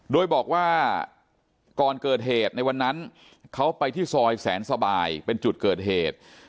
โดยบอกว่าก่อนเกิดเหตุในวันนั้นเขาไปที่ซอยแสนสบายเป็นจุดเกิดเหตุ